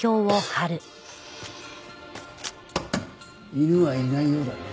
犬はいないようだね。